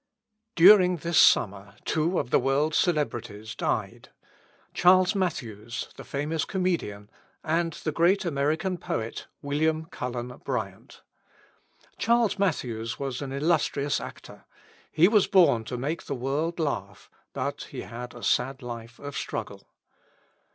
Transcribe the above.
During this summer two of the world's celebrities died: Charles Mathews, the famous comedian, and the great American poet, William Cullen Bryant. Charles Mathews was an illustrious actor. He was born to make the world laugh, but he had a sad life of struggle.